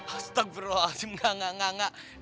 astagfirullahaladzim gak gak gak